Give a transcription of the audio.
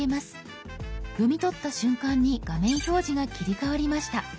読み取った瞬間に画面表示が切り替わりました。